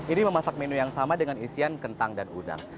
ini memasak menu yang sama dengan isian kentang dan udang